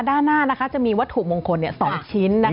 ด้านหน้าจะมีวัตถุมงคล๒ชิ้น